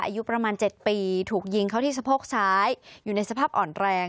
อายุประมาณ๗ปีถูกยิงเขาที่สะโพกซ้ายอยู่ในสภาพอ่อนแรง